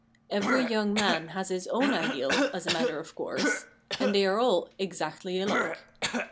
Every young man has his own ideal, as a matter of course, and they are all exactly alike.